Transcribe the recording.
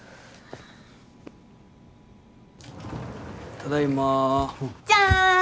ただいまじゃーん！